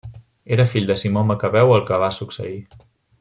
Era fill de Simó Macabeu al que va succeir.